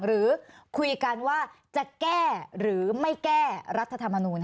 หรือคุยกันว่าจะแก้หรือไม่แก้รัฐธรรมนูล